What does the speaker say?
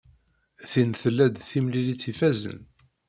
Tin tella-d d timlilit ifazen.